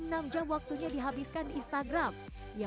ketika dia menggunakan media sosial dia menggunakan media sosial yang banyak